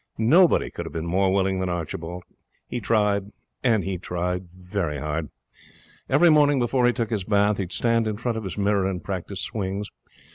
Nobody could have been more willing than Archibald. He tried, and tried hard. Every morning before he took his bath he would stand in front of his mirror and practise swings.